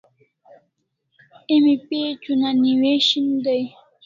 Emi page una newishin dai